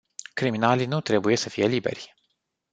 Criminalii nu trebuie să fie liberi.